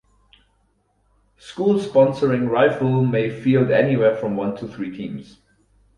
Schools sponsoring rifle may field anywhere from one to three teams.